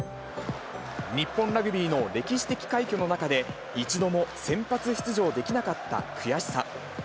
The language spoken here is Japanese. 日本ラグビーの歴史的快挙の中で、一度も先発出場できなかった悔しさ。